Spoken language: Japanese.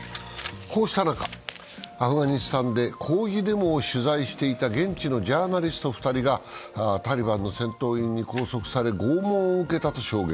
こうした中、アフガニスタンで抗議デモを取材していた現地のジャーナリスト２人が、タリバンの戦闘員に拘束され、拷問を受けたと証言。